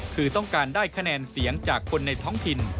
คือต้องการได้คะแนนเสียงจากคนในท้องถิ่น